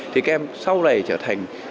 thì các em sau này trở thành